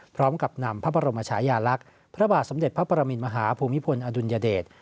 พร้อมกับนำพระบรมชายาลักษณ์พระบาทสมเด็จพระปรมินมหาภูมิพลอดุลยเดช